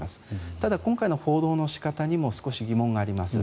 ただ今回の報道の仕方にも少し疑問があります。